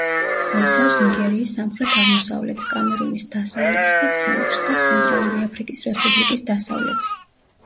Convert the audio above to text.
მოიცავს ნიგერიის სამხრეთ-აღმოსავლეთს, კამერუნის დასავლეთს და ცენტრს და ცენტრალური აფრიკის რესპუბლიკის დასავლეთს.